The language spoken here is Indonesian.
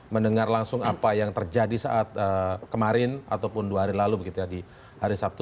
mendengar langsung apa yang terjadi saat kemarin ataupun dua hari lalu begitu ya di hari sabtu